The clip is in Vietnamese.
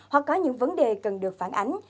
hoặc có những vấn đề cần được phản ánh